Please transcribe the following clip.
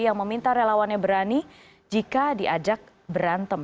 yang meminta relawannya berani jika diajak berantem